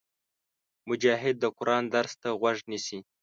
مجاهد د قرآن درس ته غوږ نیسي.